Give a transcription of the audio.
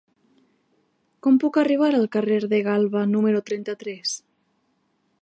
Com puc arribar al carrer de Galba número trenta-tres?